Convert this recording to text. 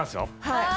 はい。